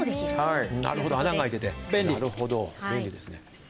なるほど便利ですね。